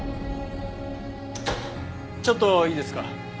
ちょっといいですか？